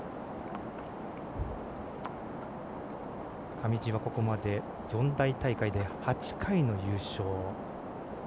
上地はここまで四大大会で８回の優勝。